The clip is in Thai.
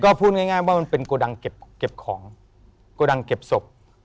ก็พูดง่ายว่ามันเป็นโกดังเก็บของโกดังเก็บศพ